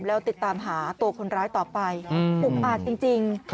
แล้วติดตามหาตัวคนร้ายต่อไปอุกอาจจริง